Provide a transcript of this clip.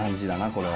これは。